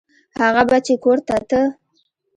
هغه به چې کور ته ته.